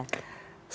saya akan lebih bebas